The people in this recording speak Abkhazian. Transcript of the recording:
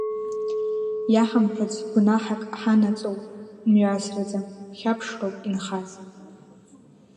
Иаҳамшәац гәнаҳак ҳанаҵоу, мҩасраӡам, хьаԥшроуп инхаз.